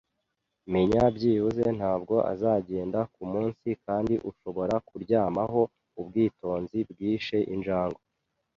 menya; byibuze, ntabwo azagenda kumunsi, kandi ushobora kuryamaho. Ubwitonzi bwishe injangwe.